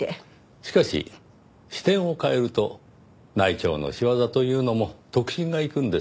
しかし視点を変えると内調の仕業というのも得心がいくんですよ。